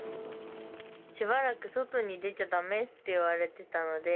しばらく外に出ちゃ駄目って言われてたので。